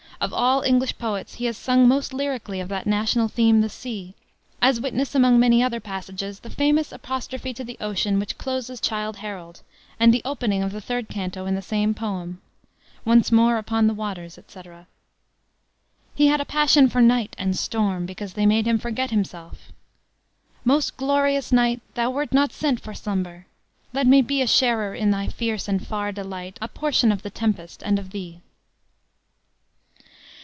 Of all English poets he has sung most lyrically of that national theme, the sea, as witness among many other passages, the famous apostrophe to the ocean, which closes Childe Harold, and the opening of the third canto in the same poem, "Once more upon the waters," etc. He had a passion for night and storm, because they made him forget himself. "Most glorious night! Thou wert not sent for slumber! Let me be A sharer in thy fierce and far delight, A portion of the tempest and of thee!"